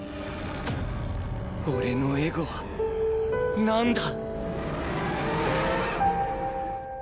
俺のエゴはなんだ？